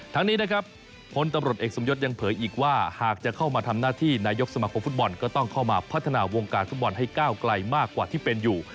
ทั้งนี้นะครับพลตำรวจเอกสมยศยังเผยอีกว่าหากจะเข้ามาทำหน้าที่นายกสมาคมฟุตบอลก็ต้องเข้ามาพัฒนาวงการฟุตบอลให้ก้าวไกลมากกว่าที่เป็นอยู่